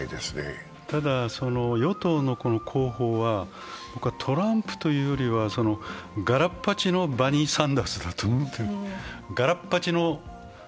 ただ、与党の候補は、トランプというよりは、がらっぱちのバーニー・サンダースだと思ってる。